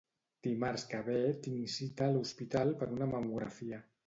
Dimarts que ve tinc cita a l'hospital per una mamografia